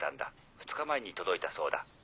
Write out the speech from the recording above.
２日前に届いたそうだ。